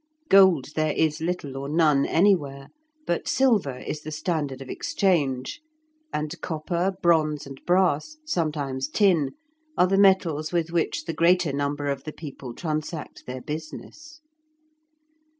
Gold there is little or none anywhere, but silver is the standard of exchange, and copper, bronze, and brass, sometimes tin, are the metals with which the greater number of the people transact their business.